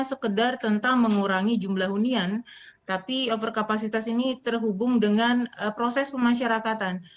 sekedar tentang mengurangi jumlah hunian tapi overkapasitas ini terhubung dengan proses pemasyarakatan